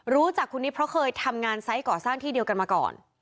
รู้จักคุณนิดเพราะเคยทำงานไซส์ก่อสร้างที่เดียวกันมาก่อน